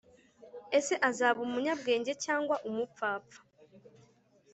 Ese azaba umunyabwenge cyangwa umupfapfa